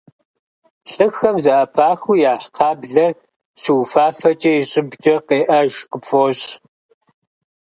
Лӏыхэм зэӏэпахыу яхь кхъаблэр щыуфафэкӏэ, и щӏыбкӏэ къеӏэж къыпфӏощӏ.